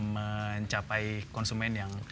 medan capai konsumen yang